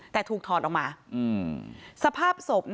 แต่ถูกถอดออกมา